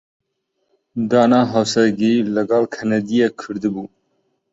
دانا هاوسەرگیریی لەگەڵ کەنەدییەک کردبوو.